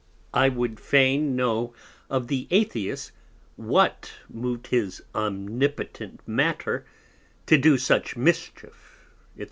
I would fain know of the Atheist what mov'd his Omnipotent Matter to do such Mischief, _&c.